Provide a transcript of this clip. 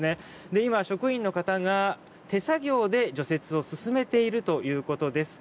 今、職員の方が手作業で除雪を進めているということです。